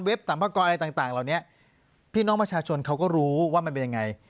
สัมภากรอะไรต่างเหล่านี้พี่น้องประชาชนเขาก็รู้ว่ามันเป็นยังไง